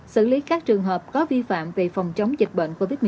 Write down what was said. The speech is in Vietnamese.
xử lý các trường hợp có vi phạm về phòng chống dịch bệnh covid một mươi chín